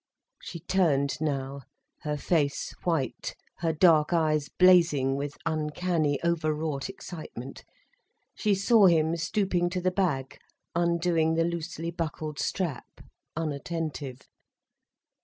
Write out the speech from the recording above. She turned now, her face white, her dark eyes blazing with uncanny, overwrought excitement. She saw him stooping to the bag, undoing the loosely buckled strap, unattentive.